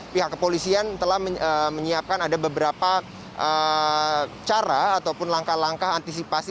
pihak kepolisian telah menyiapkan ada beberapa cara ataupun langkah langkah antisipasi